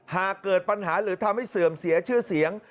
หากเกิดปัญหาหรือทำให้เสื่อมเสียชื่อเสียง